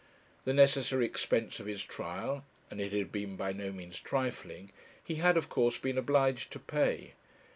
The necessary expense of his trial, and it had been by no means trifling, he had, of course, been obliged to pay.